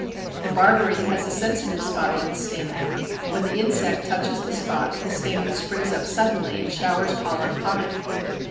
The Barberry has a sensitive spot on its stamen; when the insect touches the spot, the stamen springs up suddenly and showers pollen upon it.